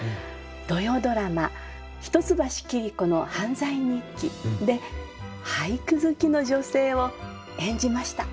土曜ドラマ「一橋桐子の犯罪日記」で俳句好きの女性を演じました。